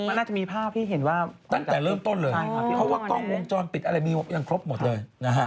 มันน่าจะมีภาพที่เห็นว่าตั้งแต่เริ่มต้นเลย